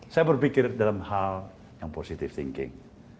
saya berpikir dalam hal yang positive thinking